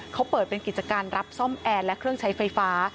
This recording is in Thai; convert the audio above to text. เขาเปิดเป็นกิจการรับซ่อมแอร์และเครื่องใช้ไฟฟ้า